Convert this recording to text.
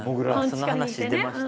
その話出ました？